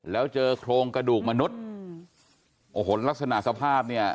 แล้วเจอโครงกระดูกมนุษย์โอ้โหลักษณะสภาพเนี่ย